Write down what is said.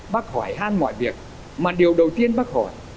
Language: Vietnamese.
bắc hỏi hàn mọi việc mà điều đầu tiên bắc hỏi